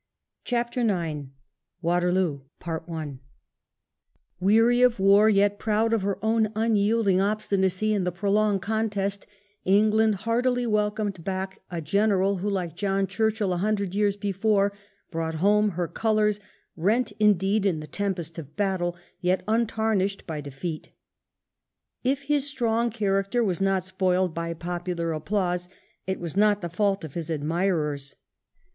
CHAPTER IX WATERLOO Weary of war, yet proud of her own unyielding obstinacy in the prolonged contest, England heartily welcomed back a Gei^eral who, like John Churchill a hundred years before, brought home her colours, rent indeed in the tempest of battle, yet untarnished by defeat. If his strong character was not spoiled by popular applause, it was not the fault of his admirers.